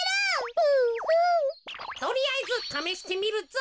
とりあえずためしてみるぞ。